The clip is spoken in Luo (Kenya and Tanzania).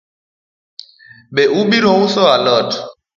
Be obiro uso alot?